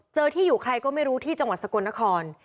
ที่อยู่ใครก็ไม่รู้ที่จังหวัดสกลนคร